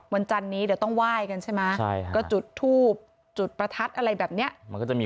วันจันนี้เดี๋ยวต้องว่ายกันใช่ไหมก็จุดทูปจุดประทัดอะไรแบบนี้